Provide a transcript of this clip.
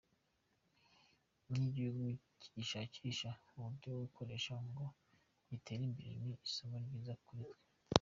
Nk’igihugu kigishakisha uburyo bwo gukoresha ngo gitere imbere ni isomo ryiza kuri twe.